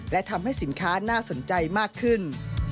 และทำให้สินค้าน่าสนใจมากขึ้น